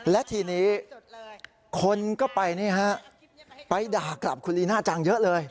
และทีนี้คนก็ไปนี่ฮะไปด่ากลับคุณลีน่าจังเยอะเลย